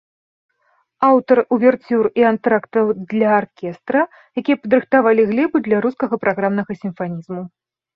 Аўтар уверцюр і антрактаў для аркестра, якія падрыхтавалі глебу для рускага праграмнага сімфанізму.